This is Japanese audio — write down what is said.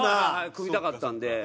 組みたかったんで。